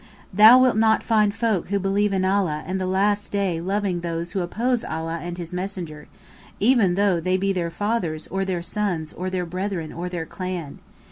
P: Thou wilt not find folk who believe in Allah and the Last Day loving those who oppose Allah and His messenger, even though they be their fathers or their sons or their brethren or their clan.